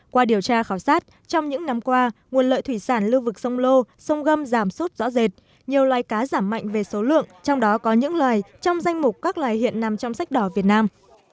qua điều tra khảo sát trong những năm qua nguồn lợi thủy sản lưu vực sông lô sông gâm giảm sút rõ rệt nhiều loài cá giảm mạnh về số lượng trong đó có những loài trong danh mục các loài hiện nằm trong sách đỏ việt nam